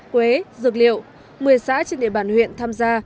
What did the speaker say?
quế dược liệu một mươi xã trên địa bàn huyện tham gia